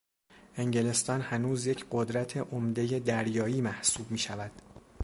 انگلستان هنوز یک قدرت عمدهی دریایی محسوب میشود.